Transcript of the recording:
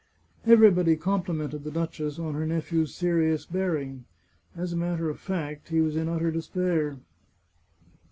Everybody complimented the duchess on her nephew's serious bearing. As a matter of fact, he was in utter despair.